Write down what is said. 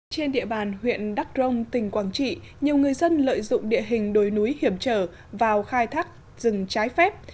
trên địa bàn huyện đắk rông tỉnh quảng trị nhiều người dân lợi dụng địa hình đồi núi hiểm trở vào khai thác rừng trái phép